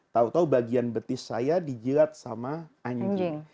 tau tau bagian betis saya dijilat sama anjing